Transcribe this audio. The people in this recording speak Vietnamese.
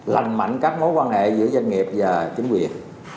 lành mạnh các mối quan hệ giữa doanh nghiệp và chính quyền